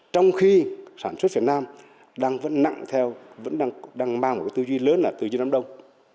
trong khi sản xuất việt nam đang vẫn nặng theo vẫn đang mang một tư duy lớn là tư duy đám đông